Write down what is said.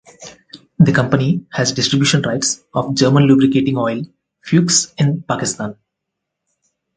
The company has distribution rights of German lubricating oil Fuchs in Pakistan.